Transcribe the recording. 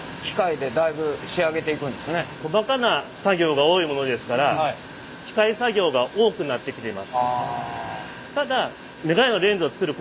細かな作業が多いものですから機械作業が多くなってきています。